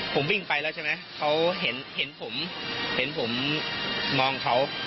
ผมวิ่งไปแล้วใช่ไหมเขาเห็นผมเห็นผมมองเขา